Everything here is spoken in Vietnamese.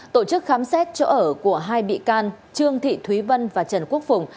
tổ chức khám xét chỗ ở của hai bị can trương thị thúy vân và trần quốc phùng